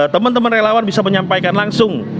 teman teman relawan bisa menyampaikan langsung